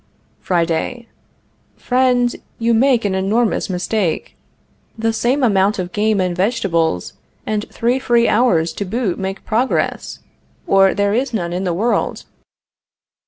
Friday. Friend, you make an enormous mistake. The same amount of game and vegetables and three free hours to boot make progress, or there is none in the world.